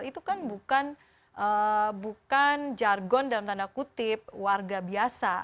itu kan bukan jargon dalam tanda kutip warga biasa